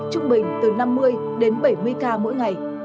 trung bình từ năm mươi đến bảy mươi ca mỗi ngày